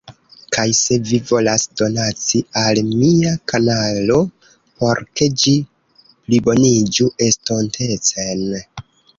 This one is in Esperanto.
Kaj se vi volas donaci al mia kanalo por ke ĝi pliboniĝu estontecen